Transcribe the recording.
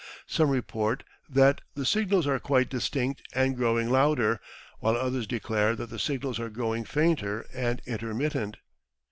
Some report that the signals are quite distinct and growing louder, while others declare that the signals are growing fainter and intermittent.